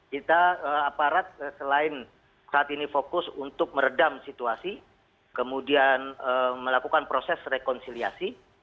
kita aparat selain saat ini fokus untuk meredam situasi kemudian melakukan proses rekonsiliasi